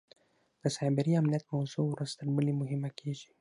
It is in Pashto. د سایبري امنیت موضوع ورځ تر بلې مهمه کېږي.